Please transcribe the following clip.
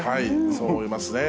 そう思いますね。